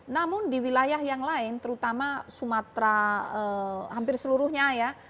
namun di wilayah yang lain terutama sumatera hampir seluruhnya ya